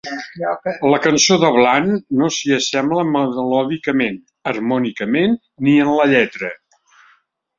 La cançó de Bland no s'hi assembla melòdicament, harmònicament ni en la lletra.